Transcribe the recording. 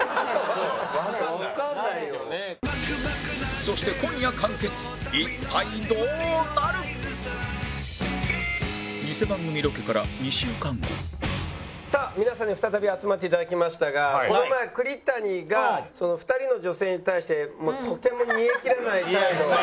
そしてさあ皆さんに再び集まって頂きましたがこの前栗谷が２人の女性に対してとても煮えきらない態度を。